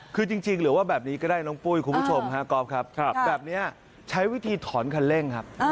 คือจริงหรือว่าแบบนี้ก็ได้น้องปุ้ยคุณผู้ชมฮะก๊อฟครับแบบนี้ใช้วิธีถอนคันเร่งครับ